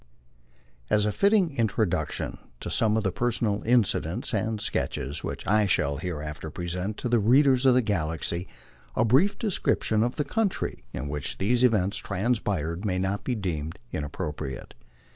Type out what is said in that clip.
AS a fitting introduction to some of the personal incidents and sketches which I shall hereafter present to the readers of "The Galaxy," a brief description of the country in which these events transpired may not be deemed inappropriate.